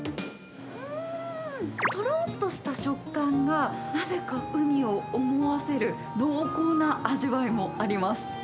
うーん、とろっとした食感が、なぜかウニを思わせる濃厚な味わいもあります。